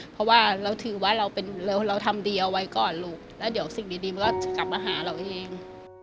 เพราะว่าเราถือว่าเราทำดีเอาไว้ก่อนลูกแล้วเดี๋ยวสิ่งดีมันก็จะกลับมาหาเราเอง